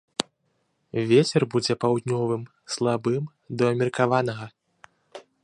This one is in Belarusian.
Вецер будзе паўднёвым, слабым да ўмеркаванага.